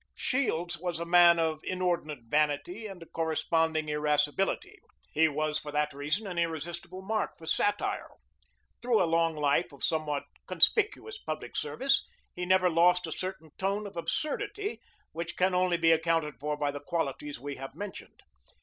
Shields was a man of inordinate vanity and a corresponding irascibility. He was for that reason an irresistible mark for satire. Through a long life of somewhat conspicuous public service, he never lost a certain tone of absurdity which can only be accounted for by the qualities we have mentioned.